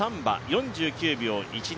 ４９秒１２。